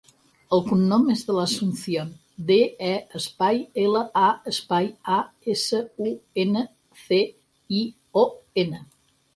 El cognom és De La Asuncion: de, e, espai, ela, a, espai, a, essa, u, ena, ce, i, o, ena.